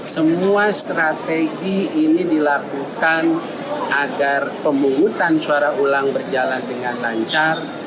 semua strategi ini dilakukan agar pemungutan suara ulang berjalan dengan lancar